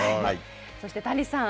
そして谷さん。